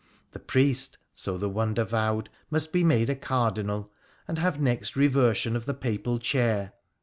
The priest, so the Wonder vowed, must be made a cardinal, and have next reversion of the Papal chair.